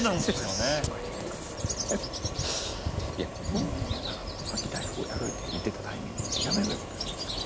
そんな嫌ならさっき大富豪やろうよって言ってたタイミングでやめればよかったじゃないですか。